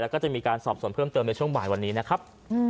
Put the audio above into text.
แล้วก็จะมีการสอบส่วนเพิ่มเติมในช่วงบ่ายวันนี้นะครับ